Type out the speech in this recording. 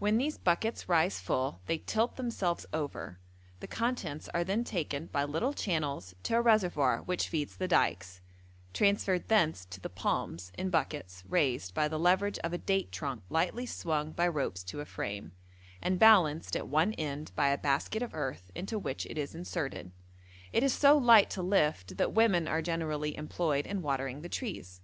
When these buckets rise full they tilt themselves over, the contents is then taken by little channels to a reservoir which feeds the dykes, transferred thence to the palms in buckets raised by the leverage of a date trunk lightly swung by ropes to a frame, and balanced at one end by a basket of earth into which it is inserted; it is so light to lift that women are generally employed in watering the trees.